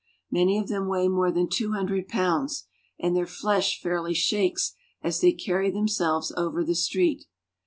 Many of them weigh more than two hundred pounds, and their flesh fairly shakes as they carry themselves over the street.